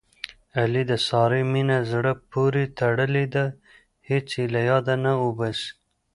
علي د سارې مینه زړه پورې تړلې ده. هېڅ یې له یاده نه اوباسي.